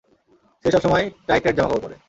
যে সবসময় tight tight জামাকাপড় পরে?